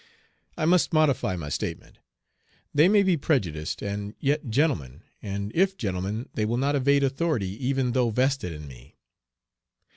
I must modify my statement. They may be prejudiced, and yet gentlemen, and if gentlemen they will not evade authority even though vested in me.